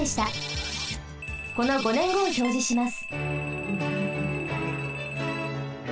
さらに５ねんごをひょうじします。